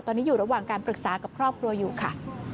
ตอนนี้อยู่ระหว่างการปรึกษากับครอบครัวอยู่ค่ะ